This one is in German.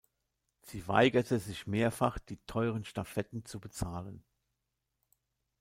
Sie weigerte sich mehrfach, die teuren Stafetten zu bezahlen.